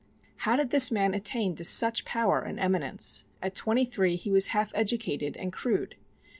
How did this man attain to such power and eminence? At twenty three he was half educated and crude.